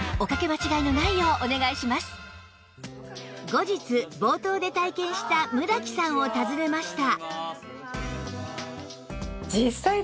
後日冒頭で体験した村木さんを訪ねました